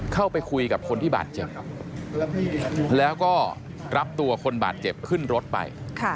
เข้าไปคุยกับคนที่บาดเจ็บแล้วก็รับตัวคนบาดเจ็บขึ้นรถไป